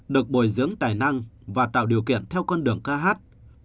được bồi dưỡng tài năng và tạo điều kiện theo con đường ca hát